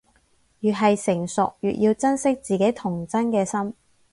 越係成熟，越要珍惜自己童真嘅心